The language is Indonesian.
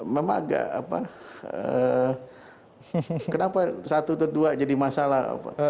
memang agak kenapa satu atau dua jadi masalah